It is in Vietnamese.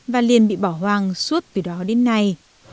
và liền bị bỏ hoang suốt từ đó đến nay